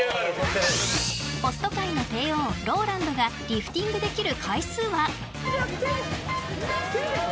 ホスト界の帝王ＲＯＬＡＮＤがリフティングできる回数は。